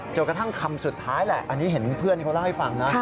กระทั่งคำสุดท้ายแหละอันนี้เห็นเพื่อนเขาเล่าให้ฟังนะ